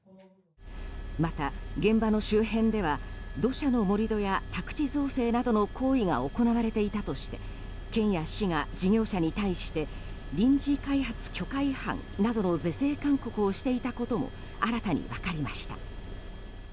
また、現場の周辺では土砂の盛り土や宅地造成などの行為が行われていたとして県や市が、事業者に対して臨時開発許可違反などの是正勧告をしていたことも新たに分かりました。